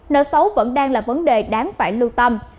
nợ xấu vẫn đang là vấn đề đáng phải lưu tâm